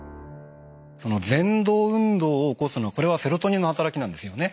ぜん動運動を起こすのこれはセロトニンの働きなんですよね。